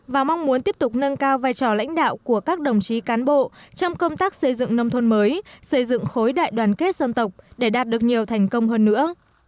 và mong muốn tiếp tục nâng cao vai trò lãnh đạo của các đồng chí cán bộ trong công tác xây dựng nông thôn mới xây dựng khối đại đoàn kết dân tộc để đạt được nhiều thành công hơn nữa